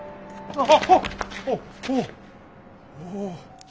おお。